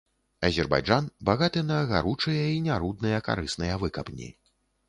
Азербайджан багаты на гаручыя і нярудныя карысныя выкапні.